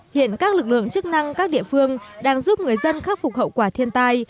hiện các lực lượng chức năng các địa phương đang giúp người dân khắc phục hậu quả thiên tai